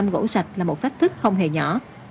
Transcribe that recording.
gỗ sạch là một thách thức không hề nhỏ